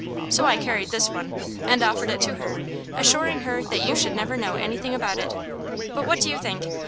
So I carried this one, and offered it to her, assuring her that you should never know anything about it; but what do you think?